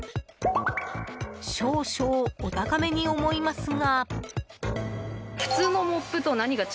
少々、お高めに思いますが。